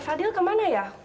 tunggu sebentar ya